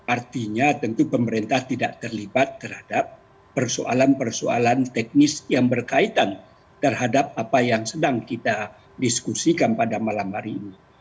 artinya tentu pemerintah tidak terlibat terhadap persoalan persoalan teknis yang berkaitan terhadap apa yang sedang kita diskusikan pada malam hari ini